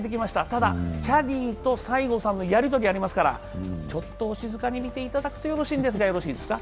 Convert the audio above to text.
ただキャディーと西郷さんのやりとりがありますから、ちょっとお静かに見ていただくとよろしいんですが、いいですか？